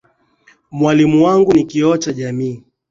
Mwalimu wangu ni kioo cha jamii.